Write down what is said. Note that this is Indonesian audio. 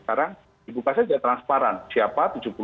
sekarang di buka saja transparan siapa tujuh puluh lima